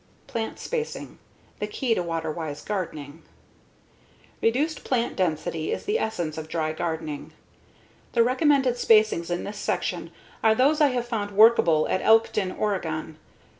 Plant Spacing: The Key to Water Wise Gardening Reduced plant density is the essence of dry gardening. The recommended spacings in this section are those I have found workable at Elkton, Oregon.